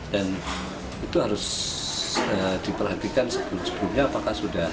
dan itu harus diperhatikan sebelumnya apakah sudah